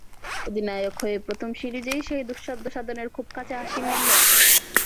অধিনায়ক হয়ে প্রথম সিরিজই সেই দুঃসাধ্য সাধনের খুব কাছে হাশিম আমলা।